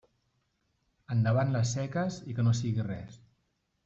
Endavant les seques i que no sigui res.